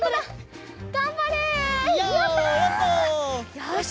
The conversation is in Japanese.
よし！